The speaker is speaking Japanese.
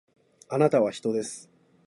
あなたは人です